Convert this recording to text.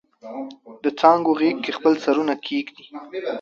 دڅانګو غیږ کې خپل سرونه کښیږدي